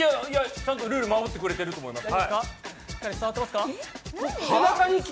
ちゃんとルール守ってくれてると思います。